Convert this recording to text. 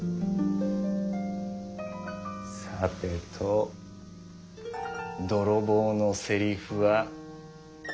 さてと泥棒のセリフは。